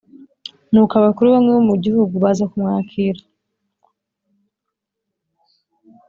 Nuko abakuru bamwe bo mu gihugu baza kumwakira